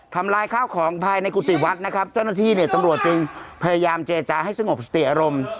ลายข้าวของภายในกุฏิวัดนะครับเจ้าหน้าที่เนี่ยตำรวจจึงพยายามเจรจาให้สงบสติอารมณ์